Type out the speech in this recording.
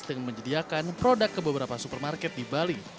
dengan menyediakan produk ke beberapa supermarket di bali